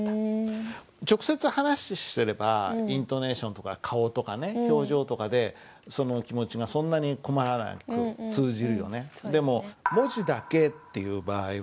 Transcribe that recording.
直接話してればイントネーションとか顔とかね表情とかでその気持ちがそんなに困らなく通じるよね。